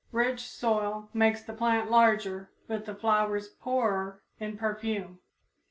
Rich soil makes the plant larger but the flowers poorer in perfume.